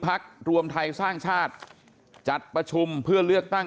พักรวมไทยสร้างชาติจัดประชุมเพื่อเลือกตั้ง